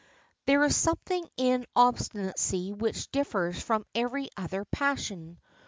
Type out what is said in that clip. There is something in obstinacy which differs from every other passion.